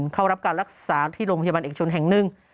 เข้ารับการรักษาที่โรงพยาบาลเอกชนแห่งหนึ่ง